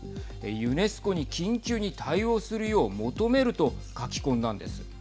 ユネスコに緊急に対応するよう求めると書き込んだんです。